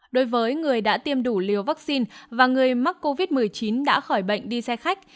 đối với người đã tiêm đủ liều vaccine và người mắc covid một mươi chín đã khỏi bệnh đi xe khách